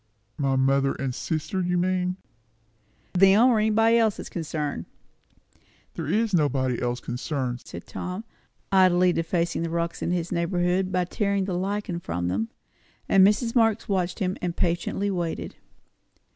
"My mother and sister, you mean?" "Them, or anybody else that's concerned." "There is nobody else concerned," said Tom, idly defacing the rocks in his neighbourhood by tearing the lichen from them. And Mrs. Marx watched him, and patiently waited.